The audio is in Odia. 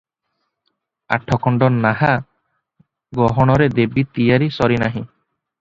ଆଠଖଣ୍ଡ ନାଆ ଗହଣରେ ଦେବି ତିଆରି ସରି ନାହିଁ ।